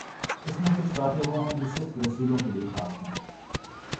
اس میںکچھ باتیں وہ ہیں جو صرف رسولوں کے لیے خاص ہیں۔